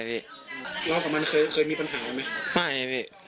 รอบกับมันเคยมีปัญหาไหม